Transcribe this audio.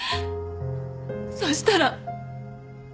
そしたら。